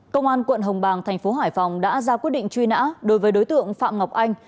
công an quận hồng bàng thành phố hải phòng đã ra quyết định truy nã đối với đối tượng phạm ngọc anh